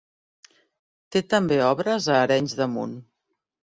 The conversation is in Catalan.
Té també obres a Arenys de Munt.